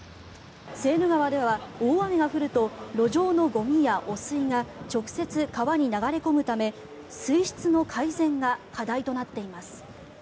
セーヌ川では大雨が降ると路上のゴミや汚水が直接川に流れ込むため水質の改善が課題となっています。